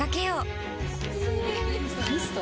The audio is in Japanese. ミスト？